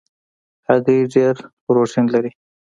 هګۍ ډېره پروټین لري.